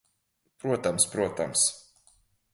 Protams, protams...